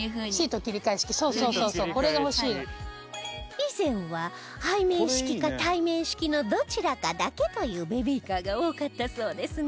以前は背面式か対面式のどちらかだけというベビーカーが多かったそうですが